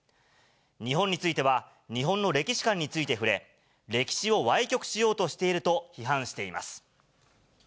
日本については、日本の歴史観について触れ、歴史をわい曲しようとしていると批判しています。